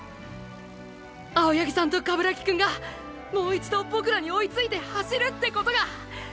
青八木さんと鏑木くんがもう一度ボクらに追いついて走るってことが！！